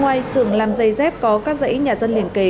ngoài xưởng làm giấy dép có các giấy nhà dân liền kề